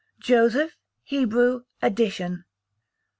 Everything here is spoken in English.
Joseph, Hebrew, addition.